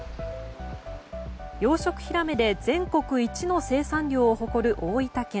養殖ヒラメで全国一の生産量を誇る大分県。